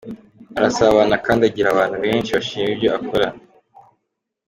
Arasabana kandi agira abantu benshi bashima ibyo akora.